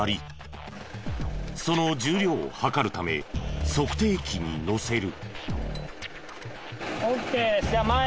その重量を量るため測定器に載せる。